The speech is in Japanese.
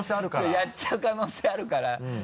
やっちゃう可能性あるから。